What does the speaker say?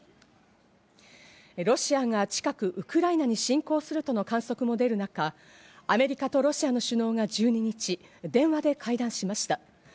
ロシアが近くウクライナに侵攻するとの観測も出る中、アメリカとロシアの首脳が１２日、電話で会談しました。